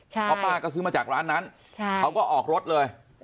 เพราะป้าก็ซื้อมาจากร้านนั้นเขาก็ออกรถเลย